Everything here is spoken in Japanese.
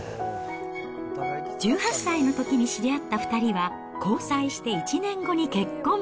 １８歳のときに知り合った２人は、交際して１年後に結婚。